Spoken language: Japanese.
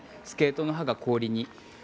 スケートの刃が氷に。